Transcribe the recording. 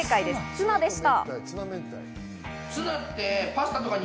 ツナでした。